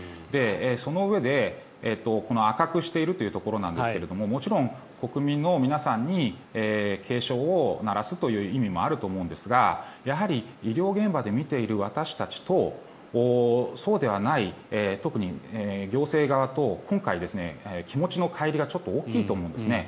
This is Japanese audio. そのうえで、この赤くしているというところなんですがもちろん国民の皆さんに警鐘を鳴らすという意味もあると思うんですがやはり医療現場で診ている私たちとそうではない、特に行政側と今回、気持ちのかい離がちょっと大きいと思うんですね。